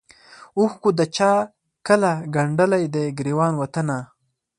اوښکو د چا کله ګنډلی دی ګرېوان وطنه